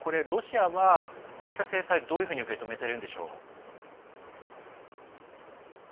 ロシアは、こうした制裁どういうふうに受け止めてるんでしょう。